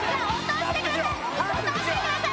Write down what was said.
落としてください！